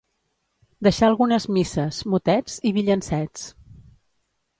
Deixà algunes misses, motets i villancets.